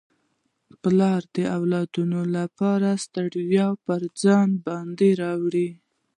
پلار د اولاد لپاره ستړياوي پر ځان باندي وړي.